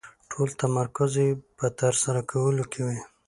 ټول تمرکز يې په ترسره کولو وي.